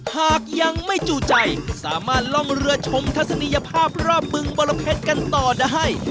หากยังไม่จู่ใจสามารถล่องเรือชมทัศนียภาพรอบบึงบรเพชรกันต่อได้